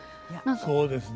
そうですね。